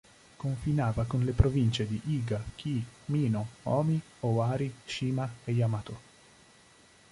Confinava con le province di Iga, Kii, Mino, Omi, Owari, Shima e Yamato.